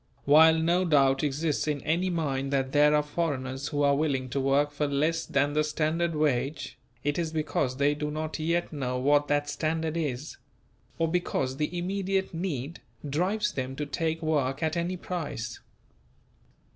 While no doubt exists in any mind that there are foreigners who are willing to work for less than the standard wage, it is because they do not yet know what that standard is; or because the immediate need drives them to take work at any price.